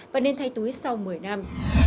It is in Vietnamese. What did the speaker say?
và nên thay túi sau một mươi năm